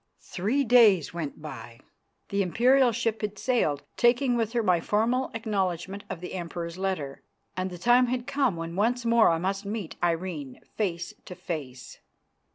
Three days went by. The Imperial ship had sailed, taking with her my formal acknowledgment of the Emperor's letter, and the time had come when once more I must meet Irene face to face.